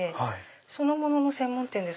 そのものの専門店です。